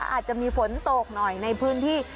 อาจจะมีฝนตกหน่อยในพื้นที่